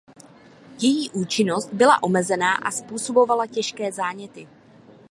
Její účinnost byla omezená a způsobovala těžké záněty.